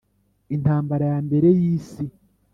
Intamba ya mbere y Isi